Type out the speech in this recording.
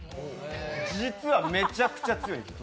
実はめちゃくちゃ強いんですよ。